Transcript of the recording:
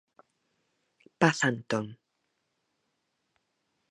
Paz Antón.